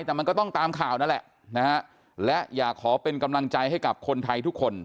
แต่มันก็ต้องตามข่าวนั่นแหละนะฮะและอยากขอเป็นกำลังใจให้กับคนไทยทุกคน